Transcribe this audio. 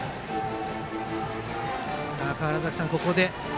川原崎さん、ここで。